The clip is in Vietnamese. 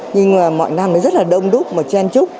nhưng mà mọi năm thì rất là đông đúc mà chen chúc